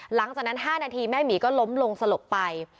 หลังจากนั้น๕นาทีแม่หมีก็ล้มลงสลบไป